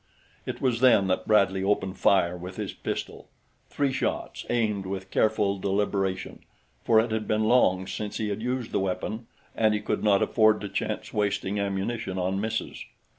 It was then that Bradley opened fire with his pistol three shots, aimed with careful deliberation, for it had been long since he had used the weapon, and he could not afford to chance wasting ammunition on misses.